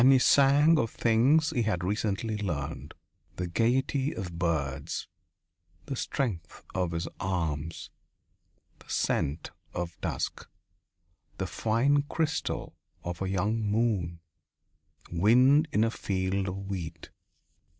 And he sang of things he had recently learned the gaiety of birds, the strength of his arms, the scent of dusk, the fine crystal of a young moon, wind in a field of wheat....